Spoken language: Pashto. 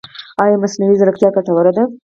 ایا مصنوعي ځیرکتیا ګټوره ده؟